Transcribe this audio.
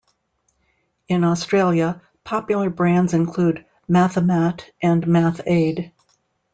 In Australia, popular brands include Mathomat and MathAid.